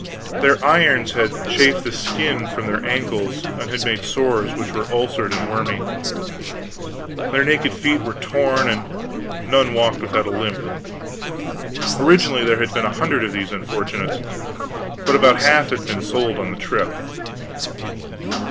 Their irons had chafed the skin from their ankles and made sores which were ulcerated and wormy. Their naked feet were torn, and none walked without a limp. Originally there had been a hundred of these unfortunates, but about half had been sold on the trip.